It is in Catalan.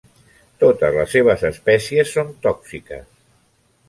Totes les seves espècies són tòxiques.